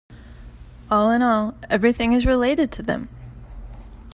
All in all, everything is related to them!